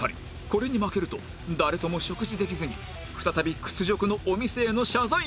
これに負けると誰とも食事できずに再び屈辱のお店への謝罪電話